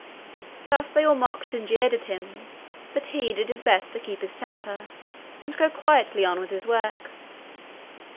Thus they all mocked and jeered at him, but he did his best to keep his temper and go quietly on with his work.